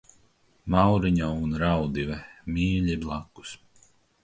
Mauriņa un Raudive – mīļi blakus.